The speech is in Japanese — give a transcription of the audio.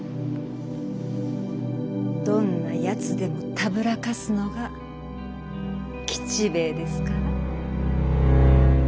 どんなやつでもたぶらかすのが吉兵衛ですから。